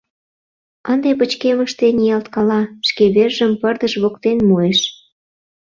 Ынде пычкемыште ниялткала, шке вержым пырдыж воктен муэш.